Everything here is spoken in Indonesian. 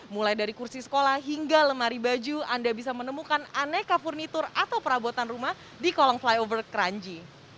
mulai dari kursi sekolah hingga lemari baju anda bisa menemukan aneka furnitur atau perabotan rumah di kolong flyover kranji